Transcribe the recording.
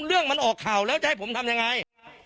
เรื่องมันออกข่าวแล้วจะให้ผมทำยังไง